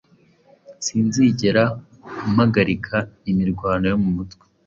Sinzigera mpagarika imirwano yo mu mutwe,